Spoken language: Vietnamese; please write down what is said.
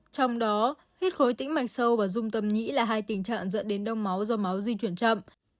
trong đó huyết khối tĩnh mạch sâu và dung tâm nhĩ là hai tình trạng dẫn đến đông máu do máu di chuyển chậm